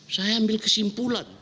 saya ambil kesimpulan